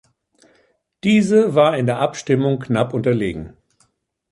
Diese war in der Abstimmung knapp unterlegen.